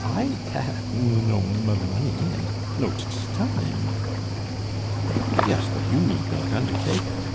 I h have n no m m money and n no t t time." "Yes, but you need not undertake it.